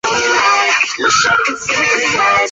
此后佐治镇号主要用作护航商船。